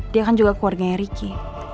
dia kan juga keluarganya ricky